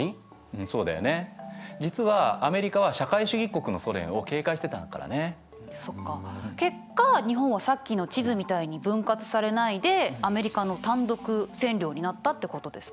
そうだよね実はそっか結果日本はさっきの地図みたいに分割されないでアメリカの単独占領になったってことですか？